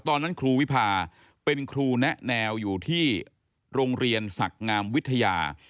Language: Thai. ตอนนั้นครูวิพาเป็นครูแนะแนวอยู่ที่โรงเรียนศักดิ์งามวิทยา